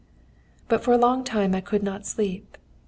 "But for a long time I could not sleep.